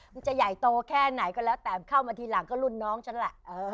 มันจะใหญ่โตแค่ไหนก็แล้วแต่เข้ามาทีหลังก็รุ่นน้องฉันแหละ